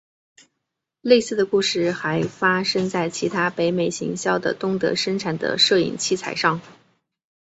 类似的故事还发生在其他北美行销的东德生产的摄影器材上。